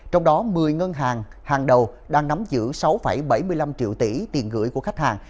trong đó một mươi ngân hàng hàng đầu đang nắm giữ sáu bảy mươi năm triệu tỷ tiền gửi của khách hàng